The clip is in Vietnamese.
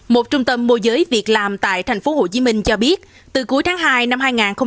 một trung tâm mô giới việc làm tại tp hcm cho biết từ cuối tháng hai năm hai nghìn hai mươi